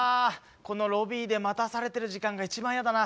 このロビーで待たされてる時間が一番嫌だな。